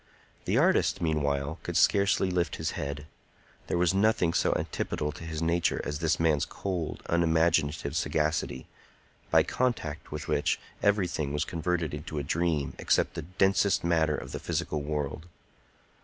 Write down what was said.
The artist, meanwhile, could scarcely lift his head. There was nothing so antipodal to his nature as this man's cold, unimaginative sagacity, by contact with which everything was converted into a dream except the densest matter of the physical world.